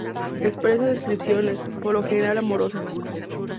Expresa descripciones, por lo general amorosas.